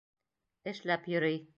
Эшләп йөрөй.